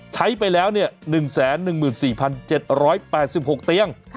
ใช้ไปแล้ว๑๑๔๗๘๖เตียง